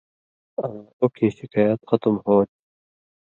آں اوکیں شکایت ختم ہوتھی۔